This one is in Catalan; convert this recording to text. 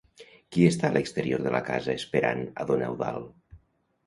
Qui està a l'exterior de la casa esperant a don Eudald?